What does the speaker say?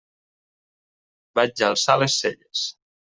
Vaig alçar les celles.